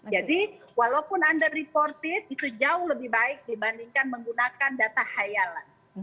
jadi walaupun under reported itu jauh lebih baik dibandingkan menggunakan data khayalan